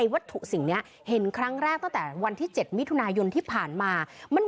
วัตถุสิ่งนี้เห็นครั้งแรกตั้งแต่วันที่๗มิถุนายนที่ผ่านมามัน